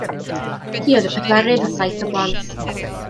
Hi oedd y pedwerydd o saith o blant.